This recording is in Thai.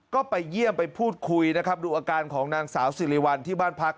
ก็ไปเยี่ยมไปพูดคุยนะครับดูอาการของนางสาวสิริวัลที่บ้านพัก